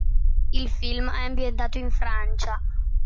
Il film è ambientato in Francia.